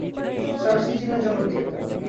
Search ইঞ্জিনের জনক কে?